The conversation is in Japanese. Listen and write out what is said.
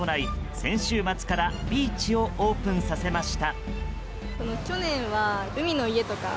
先週末からビーチをオープンさせました。